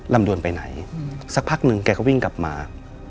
ลำดวนไปไหนสักพักหนึ่งแกก็วิ่งกลับมา